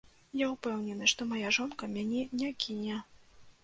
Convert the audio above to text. Я ўпэўнены, што мая жонка мяне не кіне.